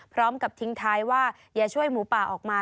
พร้อมกับทิ้งท้ายว่าอย่าช่วยหมูป่าออกมา